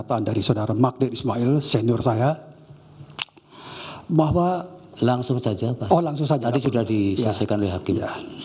tadi sudah diselesaikan oleh hakim